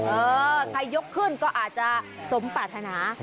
เออใครยกขึ้นก็อาจจะสมปรารถนา